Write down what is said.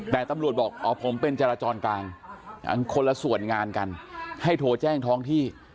แต่ตำรวจบอกอ๋อผมเป็นจราจรกลางคนละส่วนงานกันให้โทรแจ้งท้องที่